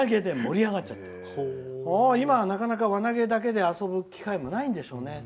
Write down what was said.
今は輪投げだけで遊ぶ機会もないんでしょうね。